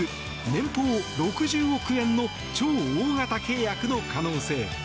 年俸６０億円の超大型契約の可能性。